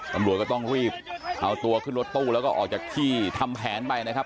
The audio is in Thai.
ตำรวจก็ต้องรีบเอาตัวขึ้นรถตู้แล้วก็ออกจากที่ทำแผนไปนะครับ